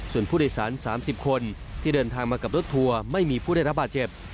ส่วนผู้โดยสาร๓๐คนที่เดินทางมากับรถทัวร์ไม่มีผู้ได้รับบาดเจ็บ